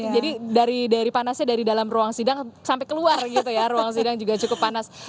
jadi dari panasnya dari dalam ruang sidang sampai keluar gitu ya ruang sidang juga cukup panas